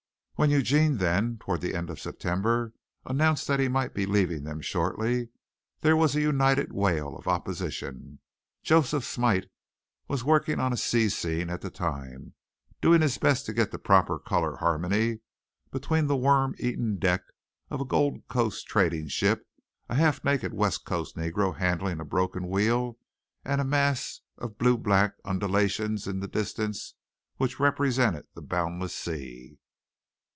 When Eugene then, toward the end of September, announced that he might be leaving them shortly, there was a united wail of opposition. Joseph Smite was working on a sea scene at the time, doing his best to get the proper colour harmony between the worm eaten deck of a Gold Coast trading ship, a half naked West Coast negro handling a broken wheel, and a mass of blue black undulations in the distance which represented the boundless sea.